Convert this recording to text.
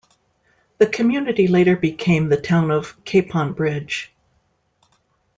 The community later became the town of Capon Bridge.